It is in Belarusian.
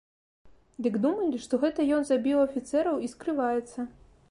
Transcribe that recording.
Дык думалі, што гэта ён забіў афіцэраў і скрываецца.